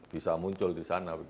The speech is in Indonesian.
bisa muncul di sana